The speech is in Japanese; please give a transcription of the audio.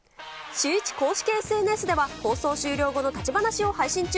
シューイチ公式ＳＮＳでは、放送終了後の立ち話を配信中。